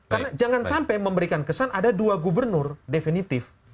karena jangan sampai memberikan kesan ada dua gubernur definitif